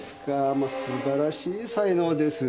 ま素晴らしい才能です。